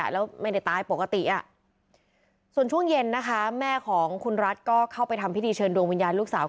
แล้วก็กลัวด้วย